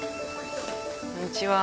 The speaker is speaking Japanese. こんにちは。